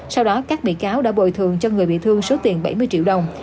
sau đó các bị cáo đã bồi thường cho người bị thương số tiền bảy mươi triệu đồng